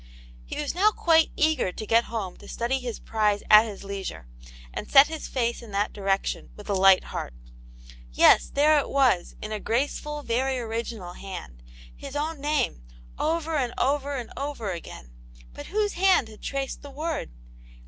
He was now quite eager to get home to study his prize at his leisure, and set his face in that direction, with a light heart. Yes, there it was, in a graceful, ^very original hand, his own name, over and over and over * again ; but whose hand had traced the word